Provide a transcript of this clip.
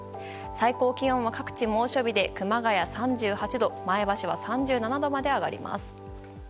最高気温も各地、猛暑日で熊谷は３８度前橋は３７度まで上がります。